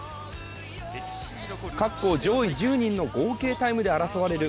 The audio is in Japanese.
各校上位１０人の合計タイムで争われる